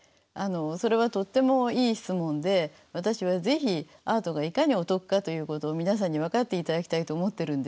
それはとってもいい質問で私は是非アートがいかにお得かということを皆さんに分かっていただきたいと思ってるんですね。